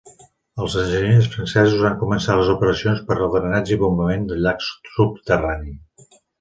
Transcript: Els enginyers francesos han començat les operacions per al drenatge i bombament del llac subterrani.